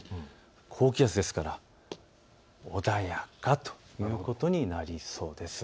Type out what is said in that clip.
高気圧ですから穏やかということになりそうです。